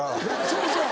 そうそう。